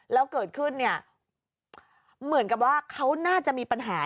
แล้วเกิดขึ้นเนี่ยเหมือนกับว่าเขาน่าจะมีปัญหา